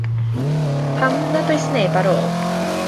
Pam nad oes neb ar ôl?